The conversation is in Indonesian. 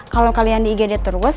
kalau kalian di igd terus